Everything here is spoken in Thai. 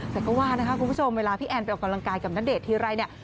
แต่ก็ว่านะคะคุณผู้ชมเวลาพี่แอนไปออกกำลังกายกับณเดชน์ทีไรเนี่ย